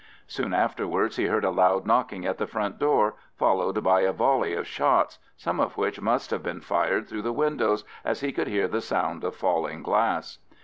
Soon afterwards he heard a loud knocking at the front door, followed by a volley of shots, some of which must have been fired through the windows, as he could hear the sound of falling glass.